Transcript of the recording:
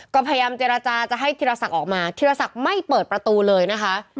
ก็พยายามเจรจาจะให้ธีรศักดิ์ออกมาธีรศักดิ์ไม่เปิดประตูเลยนะคะ